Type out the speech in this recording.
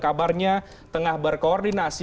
kabarnya tengah berkoordinasi